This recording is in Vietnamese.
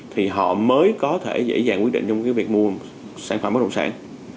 thì họ mới có thể dễ dàng quyết định trong cái việc nguồn sản phẩm bất động sản